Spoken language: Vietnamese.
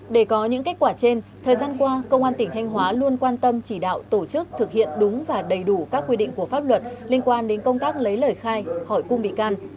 để có những kết quả trên thời gian qua công an tỉnh thanh hóa luôn quan tâm chỉ đạo tổ chức thực hiện đúng và đầy đủ các quy định của pháp luật liên quan đến công tác lấy lời khai hỏi cung bị can